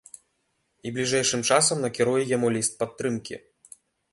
І бліжэйшым часам накіруе яму ліст падтрымкі.